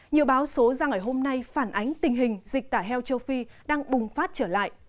nhiều báo số ra ngày hôm nay phản ánh tình hình dịch tả heo châu phi đang bùng phát trở lại